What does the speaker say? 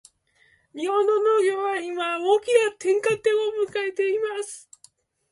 日本の農業は今、大きな転換点を迎えています。